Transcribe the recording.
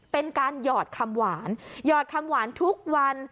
เป็นการหยอดคำหวานหยอดคำหวานทุกวัน